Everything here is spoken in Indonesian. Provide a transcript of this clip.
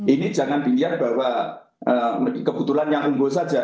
ini jangan dilihat bahwa kebetulan yang unggul saja